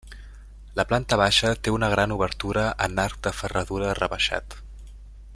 La planta baixa té una gran obertura en arc de ferradura rebaixat.